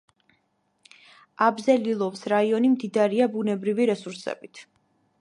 აბზელილოვოს რაიონი მდიდარია ბუნებრივი რესურსებით.